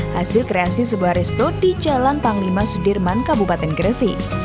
hasil kreasi sebuah resto di jalan panglima sudirman kabupaten gresik